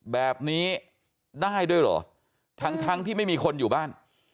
แบบนี้ได้ด้วยเหรอทั้งทั้งที่ไม่มีคนอยู่บ้าน